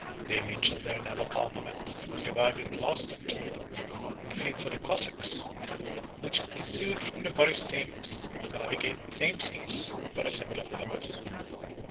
57 The image of their naval armaments was revived in the last century, in the fleets of the Cossacks, which issued from the Borysthenes, to navigate the same seas for a similar purpose.